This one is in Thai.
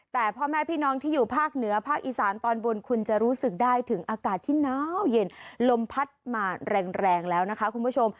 แต่พ่อแม่พี่น้องที่อยู่ภาคเหนือภาคอีสานตอนบนคุณจะรู้สึกได้ถึงอากาศที่น้าวเย็นลมพัดมาแรงแล้วนะคะคุณผู้ชม